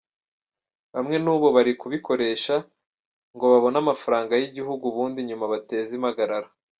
Bamwe n'ubu bari kubikoresha ngo babone amafaranga y'igihugu ubundi nyuma bateze impagarara.